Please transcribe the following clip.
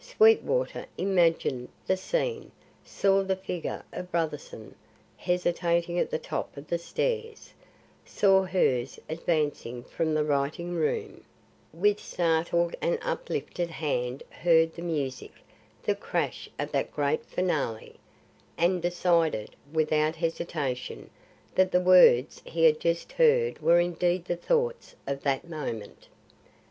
Sweetwater imagined the scene saw the figure of Brotherson hesitating at the top of the stairs saw hers advancing from the writing room, with startled and uplifted hand heard the music the crash of that great finale and decided, without hesitation, that the words he had just heard were indeed the thoughts of that moment.